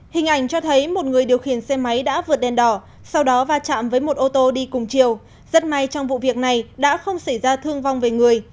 hình ảnh cho thấy một người điều khiển xe máy đã vượt đèn đỏ sau đó va chạm với một ô tô đi cùng chiều rất may trong vụ việc này đã không xảy ra thương vong về người